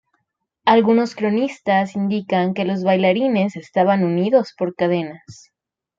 Algunos cronistas indican que los bailarines estaban unidos por cadenas.